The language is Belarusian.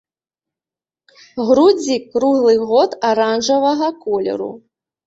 Грудзі круглы год аранжавага колеру.